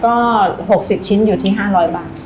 ก็หกสิบชิ้นอยู่ที่ห้าร้อยบาท